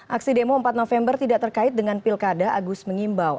aksi demo empat november tidak terkait dengan pilkada agus mengimbau